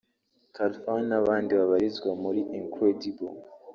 Khalfan n'abandi babarizwa muri Incredible